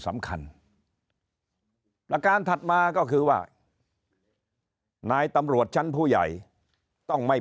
สำคัญประการถัดมาก็คือว่านายตำรวจชั้นผู้ใหญ่ต้องไม่